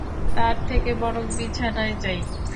তার থেকে বরং বিছানায় যাই?